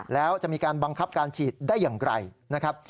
แล้วจะมีการบังคับการฉีดได้อย่างไรนะครับ